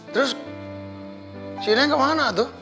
terus si neng kemana tuh